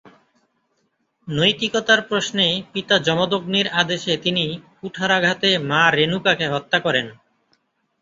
নৈতিকতার প্রশ্নে পিতা জমদগ্নির আদেশে তিনি কুঠারাঘাতে মা রেণুকাকে হত্যা করেন।